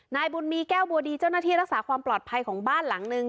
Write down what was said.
นายบุญมีแก้วบัวดีเจ้าหน้าที่รักษาความปลอดภัยของบ้านหลังนึง